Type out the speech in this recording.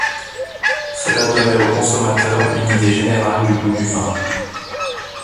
Cela donnait aux consommateurs une idée générale du goût du vin.